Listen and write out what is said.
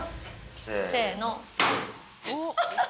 せの。